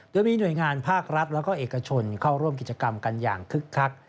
โดยมีหน่วยงานภาครัฐแล้วก็เอกชนเข้าร่วมกิจกรรมกันอย่างคึกคัก